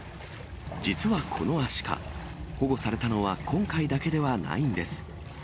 実はこのアシカ、保護されたのは今回だけではないんです。